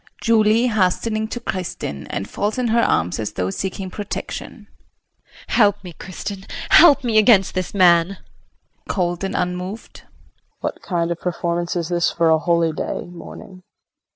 ] JULIE [Hastening to Kristin and falls in her arms as though seeking protection]. Help me, Kristin, help me against this man. KRISTIN [Cold and unmoved]. What kind of performance is this for a holy day morning?